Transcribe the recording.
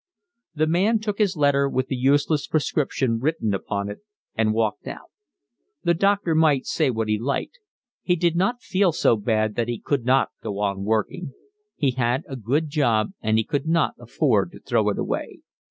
The man took his letter with the useless prescription written upon it and walked out. The doctor might say what he liked. He did not feel so bad that he could not go on working. He had a good job and he could not afford to throw it away.